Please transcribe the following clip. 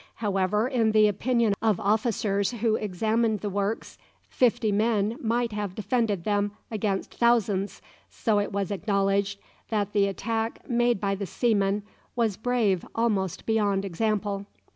However, in the opinion of officers who examined the works, fifty men might have defended them against thousands, so it was acknowledged that the attack made by the seamen was brave almost beyond example.